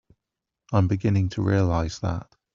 I'm beginning to realize that.